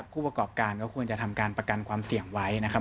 ผู้ประกอบการก็ควรจะทำการประกันความเสี่ยงไว้นะครับ